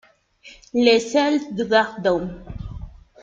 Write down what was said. Les Salles-du-Gardon